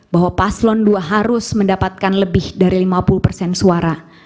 bahwa paslon dua harus mendapatkan lebih dari lima puluh persen suara